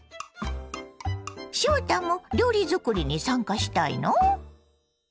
翔太も料理作りに参加したいの？